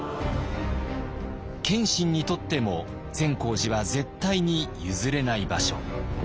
謙信にとっても善光寺は絶対に譲れない場所。